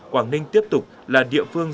quảng ninh tiếp tục là địa phương